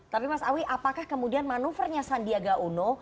tapi mas awi apakah kemudian manuvernya sandiaga uno